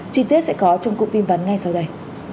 chi tiết sẽ có trong cụm tin vắn ngay sau đây